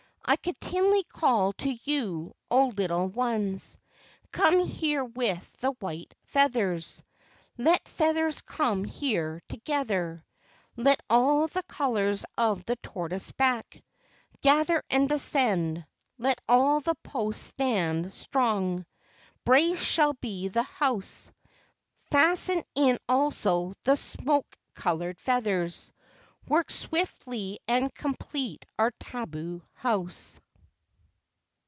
] I continually call to you, O little ones, Come here with the white feathers. Let feathers come here together; Let all the colors of the tortoise back Gather and descend; Let all the posts stand strong; Braced shall be the house; Fasten in also the smoke colored feathers; Work swiftly and complete our tabu house."